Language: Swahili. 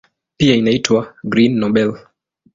Pia inaitwa "Green Nobel".